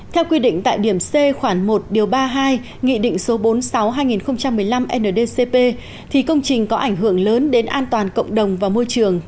theo quy định tại điểm c khoảng một điều ba mươi hai nghị định số bốn mươi sáu hai nghìn một mươi năm ndcp thì công trình có ảnh hưởng lớn đến an toàn cộng đồng và môi trường